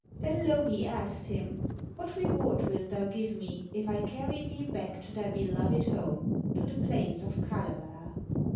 Then Louhi asked him: 'What reward wilt thou give me, if I carry thee back to thy beloved home, to the plains of Kalevala?'